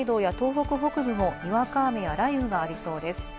北海道や東北北部もにわか雨や雷雨がありそうです。